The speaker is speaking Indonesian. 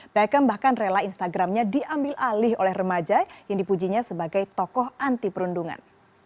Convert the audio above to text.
beckham bahkan rela instagramnya diambil alih oleh remaja yang dipujinya sebagai tokoh anti perundungan